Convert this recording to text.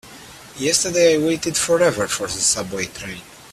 Yesterday I waited forever for the subway train.